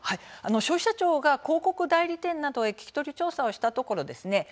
消費者庁が広告代理店などへ聞き取り調査をしたところですね